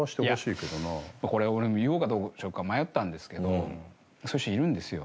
いやこれ俺も言おうかどうしようか迷ったんですけどそういう人いるんですよ。